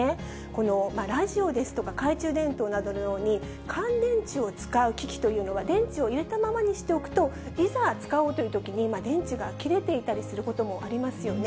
このラジオですとか懐中電灯などのように、乾電池を使う機器というのは、電池を入れたままにしておくと、いざ使おうというときに、電池が切れていたりすることもありますよね。